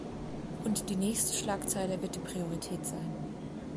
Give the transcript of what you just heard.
Und die nächste Schlagzeile wird die Priorität sein.